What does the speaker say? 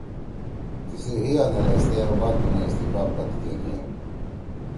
تیِسی حیِا نے لھیستے اقبال تنُو استعفا پدکے گھیِن